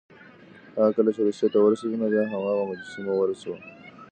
هغه کله چې روسيې ته ورسېد، نو بیا هم هماغه مجسمه ورسره وه.